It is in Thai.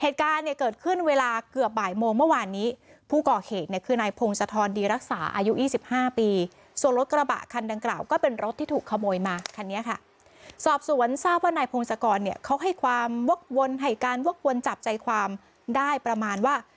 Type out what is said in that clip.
ถูกขโมยมาคันนี้ค่ะสอบสวนทราบว่าในพงศกรเขาให้การวกวนจับใจความได้ประมาณว่า